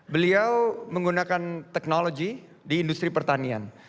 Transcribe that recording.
beliau menggunakan teknologi di industri pertanian